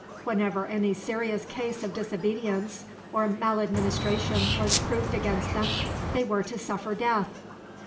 Whenever any serious case of disobedience or maladministration was proved against them they were to suffer death.